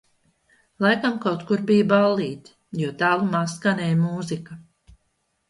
Laikam kaut kur bija ballīte, jo tālumā skanēja mūzika